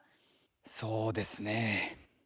そうですね。